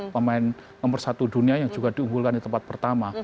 pemain nomor satu dunia yang juga diunggulkan di tempat pertama